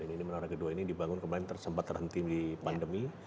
ini menara kedua ini dibangun kemarin tersempat terhenti di pandemi